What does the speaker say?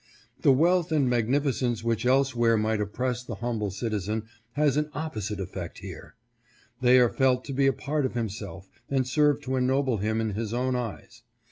"' The wealth and magnificence which elsewhere might oppress the humble citizen has an opposite effect here. They are felt to be a part of himself and serve to ennoble him in his own eyes.